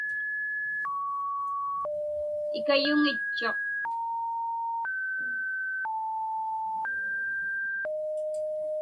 Ikayuŋitchuq.